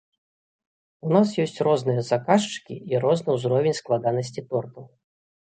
У нас ёсць розныя заказчыкі і розны ўзровень складанасці тортаў.